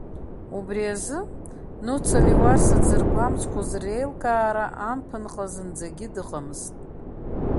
Убри азы, Нуца Леуарса дзыргәамҵқәоз реилкаара амԥынҟа зынӡагьы дыҟамызт.